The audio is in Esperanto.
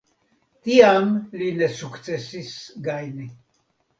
Tiam li ne sukcesis gajni.